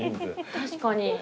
確かに。